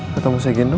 ketemu saya gendo